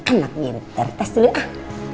anak minta retes dulu ah